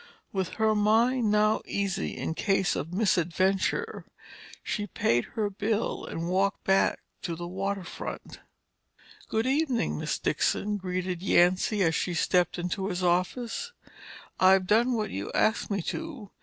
With her mind now easy in case of misadventure, she paid her bill and walked back to the water front. "Good evening, Miss Dixon," greeted Yancy as she stepped into his office. "I've done what you asked me to.